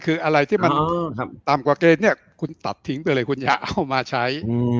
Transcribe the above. คืออะไรที่มันต่ำกว่าเกณฑ์เนี่ยคุณตัดทิ้งไปเลยคุณอย่าเอามาใช้